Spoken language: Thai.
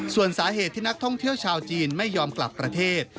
ส่วนสาเหตุที่นักท่องเที่ยวชาวจีนไม่ยอมกลับประเทศ